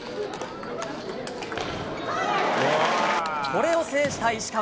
これを制した石川。